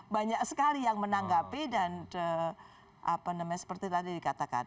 banyak sekali yang menanggapi dan seperti tadi dikatakan